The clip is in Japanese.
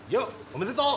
おめでとう！